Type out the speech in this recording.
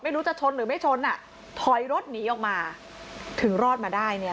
ไม่รู้จะชนหรือไม่ชนอ่ะถอยรถหนีออกมาถึงรอดมาได้เนี่ย